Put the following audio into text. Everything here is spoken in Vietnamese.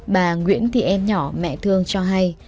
bà nguyễn thì em nhỏ mẹ thương cho hay